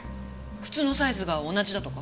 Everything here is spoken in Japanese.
靴のサイズが同じだとか？